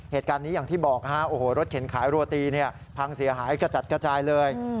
เหตุการณ์นี้อย่างที่บอกฮะโอ้โหรถเข็นขายโรตีพังเสียหายกระจัดกระจายเลย